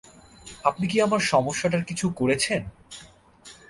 আপনি কি আমার সমস্যাটার কিছু করেছেন?